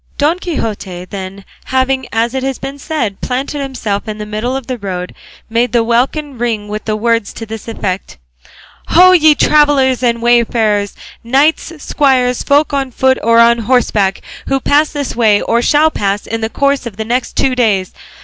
Don Quixote, then, having, as has been said, planted himself in the middle of the road, made the welkin ring with words to this effect: "Ho ye travellers and wayfarers, knights, squires, folk on foot or on horseback, who pass this way or shall pass in the course of the next two days!